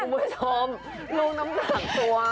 มือสอบลูกน้ำหนักตัว